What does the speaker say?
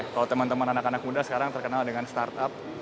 kalau teman teman anak anak muda sekarang terkenal dengan startup